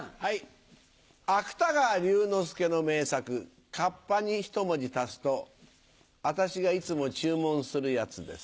芥川龍之介の名作『河童』にひと文字足すと私がいつも注文するやつです。